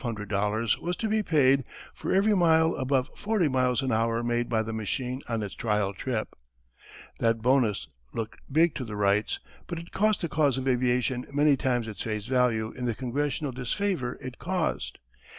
The price was fixed at $25,000, but a bonus of $2500 was to be paid for every mile above forty miles an hour made by the machine on its trial trip. That bonus looked big to the Wrights, but it cost the cause of aviation many times its face value in the congressional disfavour it caused.